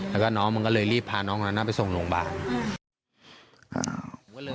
แล้วก็น้องมันก็เลยรีบพาน้องลาน่าไปส่งโรงพยาบาล